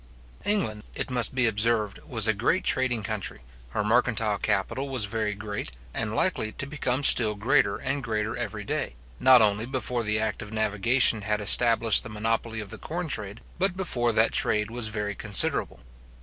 England, it must be observed, was a great trading country, her mercantile capital was very great, and likely to become still greater and greater every day, not only before the act of navigation had established the monopoly of the corn trade, but before that trade was very considerable.